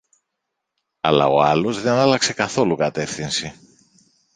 Αλλά ο άλλος δεν άλλαξε καθόλου κατεύθυνση